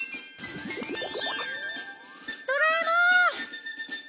ドラえもん！